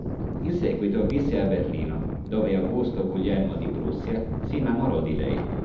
In seguito visse a Berlino, dove Augusto Guglielmo di Prussia si innamorò di lei.